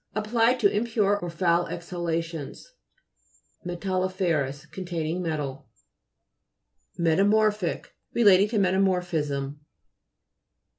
Applied to impure or foul exhalations. L] 'FZUOVS Containing metal. METAMO'RPHIC Relating to meta morphism.